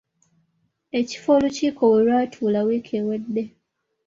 Ekifo olukiiko we lwatuula wiki ewedde.